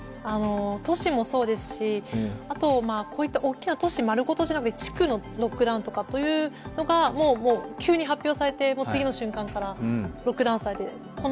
都市もそうですし、こういった大きな都市まるごとじゃなくても地区のロックダウンというのが、急に発表されて次の瞬間からロックダウンされて。